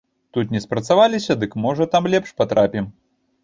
Тут не спрацаваліся, дык, можа, там лепш патрапім.